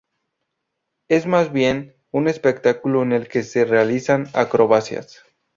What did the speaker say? Es más bien un espectáculo en el que se realizan acrobacias.